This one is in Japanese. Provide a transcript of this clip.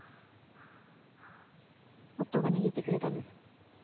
夫が握ってくれたんです。